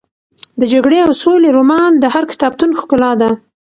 د جګړې او سولې رومان د هر کتابتون ښکلا ده.